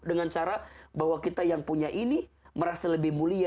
dengan cara bahwa kita yang punya ini merasa lebih mulia